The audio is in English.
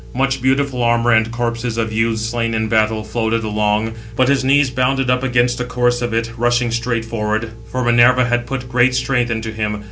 Much beautiful armour and corpses of youths slain in battle, floated along; but his knees bounded up against the course of it rushing straight forward; for Minerva had put great strength into him.